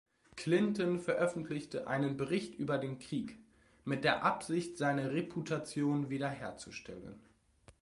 Clinton veröffentlichte einen "Bericht über den Krieg" mit der Absicht, seine Reputation wiederherzustellen.